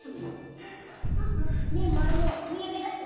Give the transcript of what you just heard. あっねえマルモお土産出してもいい？